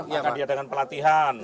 makan dia dengan pelatihan